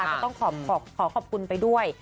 ก็ต้องขอขอบคุณไปด้วย